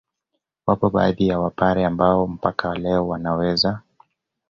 Wapo baadhi ya Wapare ambao mpaka leo wanaweza